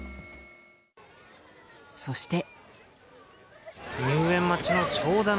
そして。